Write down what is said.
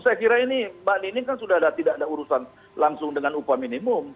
saya kira ini mbak nining kan sudah tidak ada urusan langsung dengan upah minimum